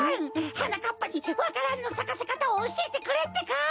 はなかっぱにわか蘭のさかせかたをおしえてくれってか？